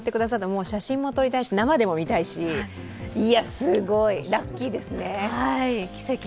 もう写真も撮りたいし生でも見たいしいや、すごい、ラッキーですね。